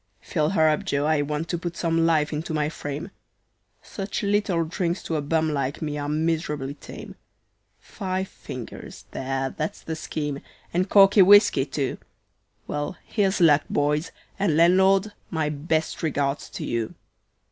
"Fill her up, Joe, I want to put some life into my frame Such little drinks to a bum like me are miserably tame; Five fingers there, that's the scheme and corking whiskey, too. Well, here's luck, boys, and landlord, my best regards to you.